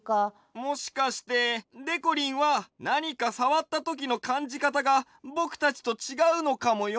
もしかしてでこりんはなにかさわったときのかんじかたがぼくたちとちがうのかもよ。